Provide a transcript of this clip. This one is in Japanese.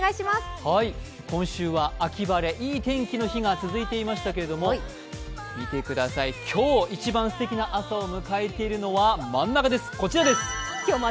今週は秋晴れ、いい天気の日が続いていましたけれども、見てください、今日一番すてきな朝を迎えているのは真ん中です。